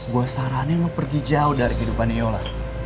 gue saranin pergi jauh dari kehidupan yola